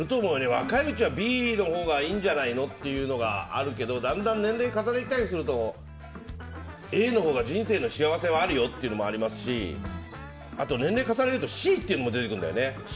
若いうちはＢのほうがいいんじゃないのっていうのがあるけどだんだん年齢を重ねたりするとＡのほうが人生の幸せはあるよっていうのはありますしあと、年齢重ねるとＣっていうのも出てくるんだよね。